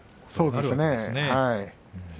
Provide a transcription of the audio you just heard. そうですね。